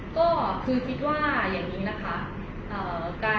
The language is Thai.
ก็คือคิดว่าอย่างนี้นะคะ